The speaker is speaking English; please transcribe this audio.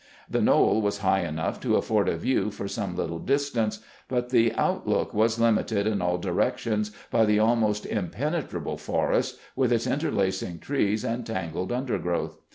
The knoll was high enough to afford a view for some little distance, but the outlook was limited in all directions by the almost impenetrable forest with its interlacing trees and tangled undergrowth.